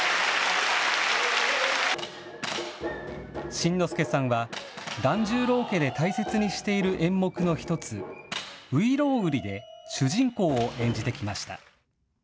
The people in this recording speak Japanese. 新之助さんは團十郎家で大切にしている演目の１つ、外郎売で主人公を演じてきました。